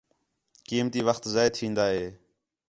قیمتی وخت ضائع تھین٘دا ہے